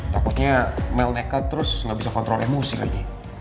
takutnya mel nekat terus nggak bisa kontrol emosi lagi